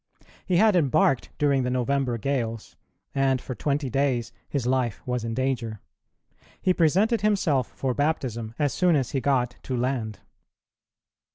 He had embarked during the November gales, and for twenty days his life was in danger. He presented himself for baptism as soon as he got to land.